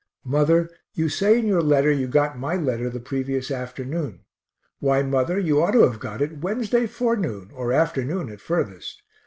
Mother, you say in your letter you got my letter the previous afternoon. Why, mother, you ought to [have] got it Wednesday forenoon, or afternoon at furthest.